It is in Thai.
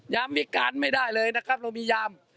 มีการไม่ได้เลยนะครับเรามียาม